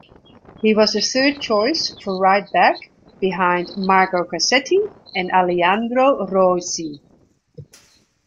He was the third choice for right back behind Marco Cassetti and Aleandro Rosi.